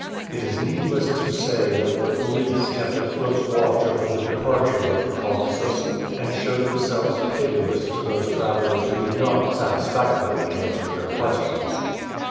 It is needless to say that the police kept a close watch over the departure of the Caucasus, and showed themselves pitiless to those travelers who did not satisfactorily answer their questions.